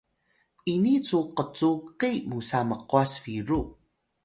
ini cu qcuqi musa mqwas biru